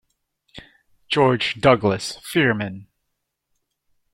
George Douglas Fearman.